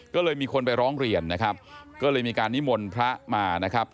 ก็เลยมีคนไปร้องเรียนนะครับก็เลยมีการนิมนต์พระมานะครับ